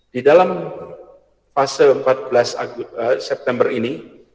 di dalam fase empat belas september ini